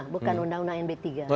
bukan undang undang md tiga